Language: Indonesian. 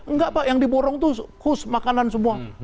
nggak pak yang diborong itu khusus makanan semua